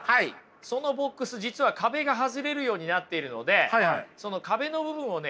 そのボックス実は壁が外れるようになっているのでその壁の部分をね